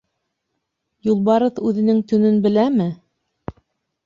— Юлбарыҫ үҙенең төнөн беләме?